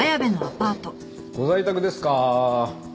ご在宅ですかー？